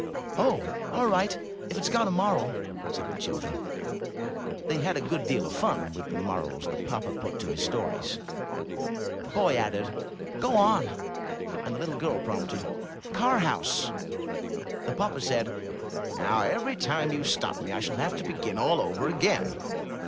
"Oh, all right, if it's got a moral," said the children; they had a good deal of fun with the morals the papa put to his stories. The boy added, "Go on," and the little girl prompted, "Car house." The papa said, "Now every time you stop me I shall have to begin all over again."